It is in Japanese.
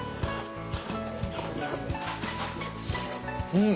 うん！